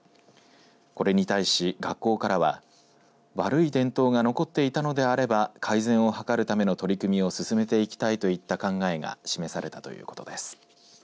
これに対し、学校からは悪い伝統が残っていたのであれば改善を図るための取り組みを進めていきたいといった考えが示されたということです。